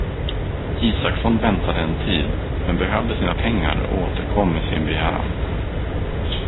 Isaksson väntade en tid, men behövde sina pengar och återkom med sin begäran.